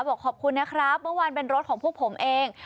บอกขอบคุณนะครับเมื่อวานเป็นรถของพวกผมเอง